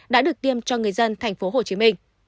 đã được tiêm cho người dân tp hcm